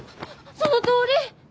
そのとおり！